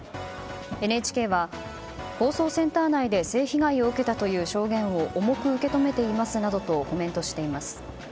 ＮＨＫは、放送センター内で性被害を受けたという証言を重く受け止めていますなどとコメントしています。